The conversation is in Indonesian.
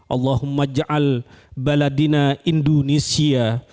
allahumma ja'al baladina indonesia